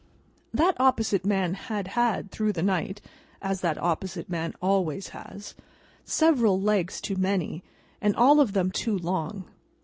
That opposite man had had, through the night—as that opposite man always has—several legs too many, and all of them too long.